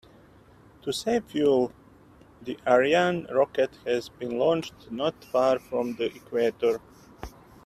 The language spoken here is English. To save fuel, the Ariane rocket has been launched not far from the equator.